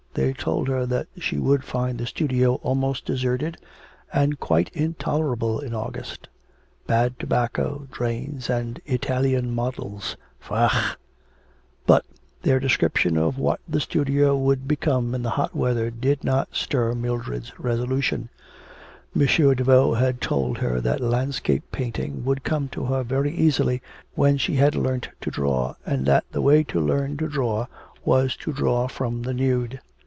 They told her that she would find the studio almost deserted and quite intolerable in August. Bad tobacco, drains, and Italian models Faugh! But their description of what the studio would become in the hot weather did not stir Mildred's resolution. M. Daveau had told her that landscape painting would come to her very easily when she had learnt to draw, and that the way to learn to draw was to draw from the nude.